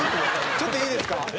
ちょっといいですか？